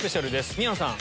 宮野さん。